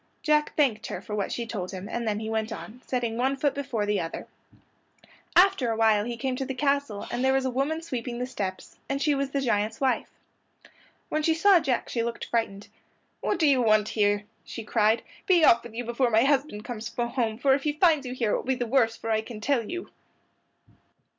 Jack thanked her for what she told him, and then he went on, setting one foot before the other. After awhile he came to the castle, and there was a woman sweeping the steps, and she was the giant's wife. When she saw Jack she looked frightened. "What do you want here?" she cried. "Be off with you before my husband comes home, for if he finds you here it will be the worse for you I can tell you."